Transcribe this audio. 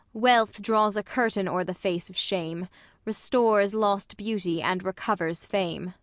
Wealth draws a curtain o'er the face of shame, Restores lost beauty, and recovers fame.